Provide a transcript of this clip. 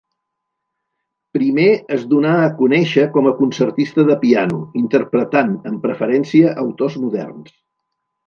Primer es donà a conèixer com a concertista de piano, interpretant amb preferència autors moderns.